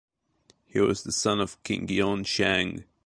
He was the son of King Yunchang.